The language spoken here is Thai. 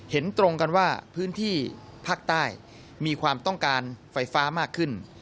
เห็นตรงกันว่าพื้นที่ภาคใต้มีความต้องการไฟฟ้ามากขึ้น